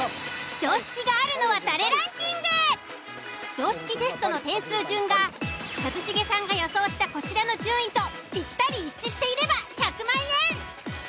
常識テストの点数順が一茂さんが予想したこちらの順位とぴったり一致していれば１００万円！